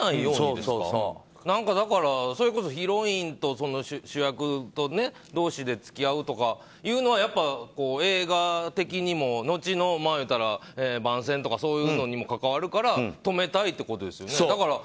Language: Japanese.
何かそれこそヒロインと主役同士で付き合うとかいうのは映画的にも後の番宣とかそういうものにも関わるから止めたいってことですよね。